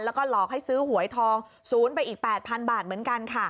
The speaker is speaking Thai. แล้วก็หลอกให้ซื้อหวยทองศูนย์ไปอีก๘๐๐๐บาทเหมือนกันค่ะ